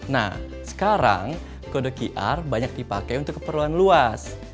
nah sekarang kode qr banyak dipakai untuk keperluan luas